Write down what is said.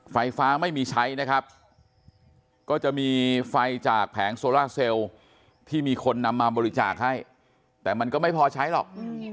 ไฟฟ้าไม่มีใช้นะครับก็จะมีไฟจากแผงโซล่าเซลล์ที่มีคนนำมาบริจาคให้แต่มันก็ไม่พอใช้หรอก